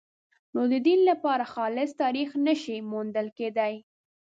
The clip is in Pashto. نو د دین لپاره خالص تاریخ نه شي موندل کېدای.